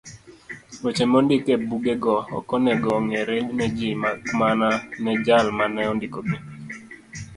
Weche mondiki ebugego okonego ong'ere ne ji makmana ne jal mane ondikogi.